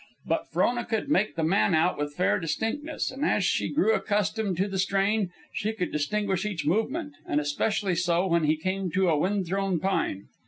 But Frona could make the man out with fair distinctness; and as she grew accustomed to the strain she could distinguish each movement, and especially so when he came to a wind thrown pine.